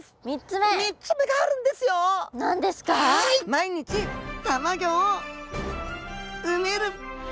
毎日卵を産める！